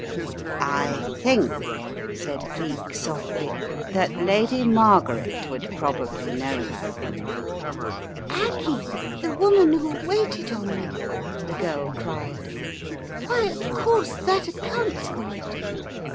"I think," said Cleek, softly, "that Lady Mar garet would probably know her/' "Aggie, the woman who waited on me," the girl Jried. "Why, of course, that accounts for it.